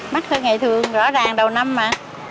mắc hơi ngày thường rõ ràng đầu năm mà